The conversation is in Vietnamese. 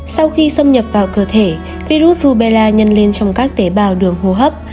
sau khi xâm nhập vào cơ thể virus rubella nhân lên trong các tế bào đường hô hấp